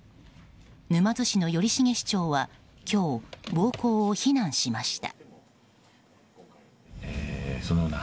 沼津市の頼重市長は今日暴行を非難しました。